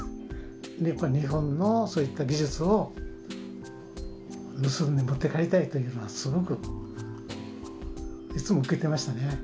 やっぱり日本のそういった技術を盗んで持って帰りたいというのはすごくいつも受けてましたね